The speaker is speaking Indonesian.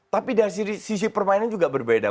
tapi dari sisi permainan juga berbeda